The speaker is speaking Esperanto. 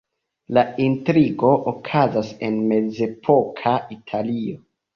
La intrigo okazas en mezepoka Italio.